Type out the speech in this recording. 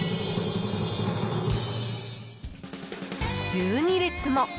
［１２列も］